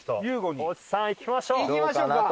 「３」いきましょう！